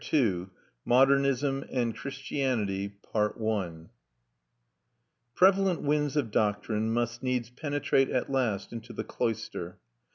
II MODERNISM AND CHRISTIANITY Prevalent winds of doctrine must needs penetrate at last into the cloister.